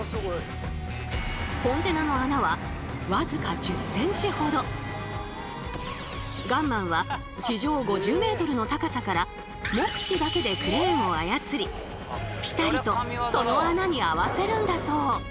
コンテナのガンマンは地上５０ｍの高さから目視だけでクレーンを操りピタリとその穴に合わせるんだそう。